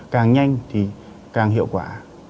càng nhanh thì càng hiệu quả